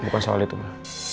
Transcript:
bukan soal itu ma